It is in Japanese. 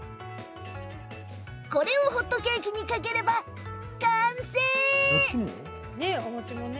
ホットケーキにかければ完成。